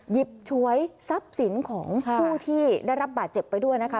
หยิบฉวยทรัพย์สินของผู้ที่ได้รับบาดเจ็บไปด้วยนะคะ